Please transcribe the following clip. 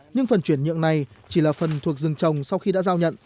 nhưng phần chuyển nhượng này chỉ là phần thuộc rừng trồng sau khi đã giao nhận